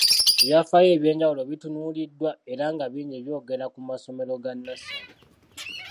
Ebyafaayo eby’enjawulo bitunuuliddwa era nga bingi byogera ku masomero ga nnassale.